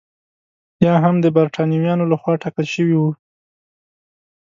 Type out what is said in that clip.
یا هم د برېټانویانو لخوا ټاکل شوي وو.